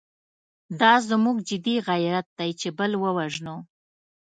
دا زموږ جدي غیرت دی چې بل ووژنو.